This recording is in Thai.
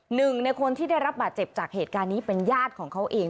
หนึ่งในคนที่ได้รับบาดเจ็บจากเหตุการณ์นี้เป็นญาติของเขาเอง